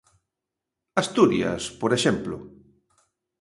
Asturias, por exemplo.